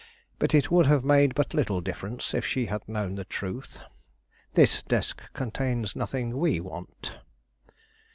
But it would have made but little difference if she had known the truth. This desk contains nothing we want."